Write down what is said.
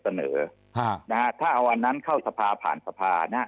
เสนอฮะนะฮะถ้าเอาอันนั้นเข้าทภาพผ่านทภาพนะฮะ